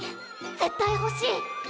絶対ほしい！